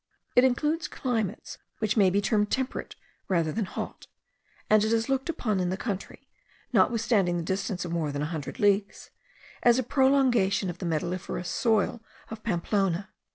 It includes climates which may be termed temperate rather than hot; and it is looked upon in the country, notwithstanding the distance of more than a hundred leagues, as a prolongation of the metalliferous soil of Pamplona.